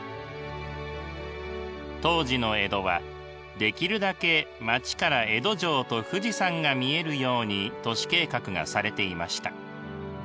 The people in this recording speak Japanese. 当時の江戸はできるだけ町から江戸城と富士山が見えるように都市計画がされていました。